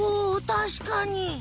おたしかに。